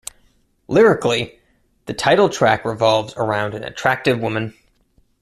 Lyrically, the title track revolves around an attractive woman.